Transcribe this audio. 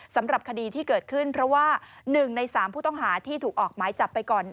สำหรับคดีที่เกิดขึ้นเพราะว่า๑ใน๓ผู้ต้องหาที่ถูกออกหมายจับไปก่อน